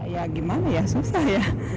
ya gimana ya susah ya